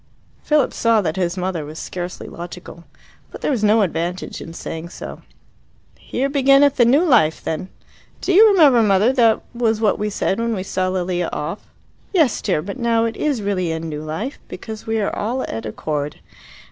Philip saw that his mother was scarcely logical. But there was no advantage in saying so. "Here beginneth the New Life, then. Do you remember, mother, that was what we said when we saw Lilia off?" "Yes, dear; but now it is really a New Life, because we are all at accord.